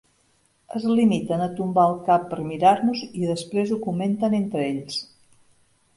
Es limiten a tombar el cap per mirar-nos i després ho comenten entre ells.